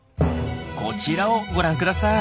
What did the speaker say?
こちらをご覧ください。